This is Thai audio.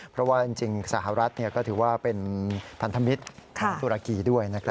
เพราะว่าจริงสหรัฐก็ถือว่าเป็นพันธมิตรของตุรกีด้วย